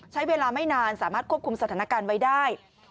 ใช้เวลาไม่นานสามารถควบคุมสถานการณ์ไว้ได้